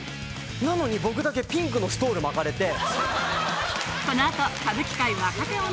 なのに僕だけピンクのストール巻かれて。